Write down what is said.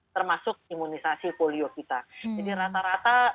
termasuk imunisasi polio kita jadi rata rata